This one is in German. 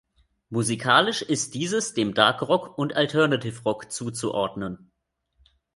Musikalisch ist dieses dem Dark Rock und Alternative Rock zuzuordnen.